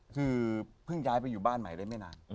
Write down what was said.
คือเพิ่งย้ายไปอยู่บ้านใหม่ได้ไม่นาน